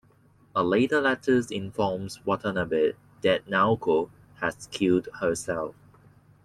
A later letter informs Watanabe that Naoko has killed herself.